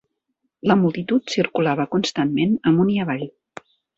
La multitud circulava constantment amunt i avall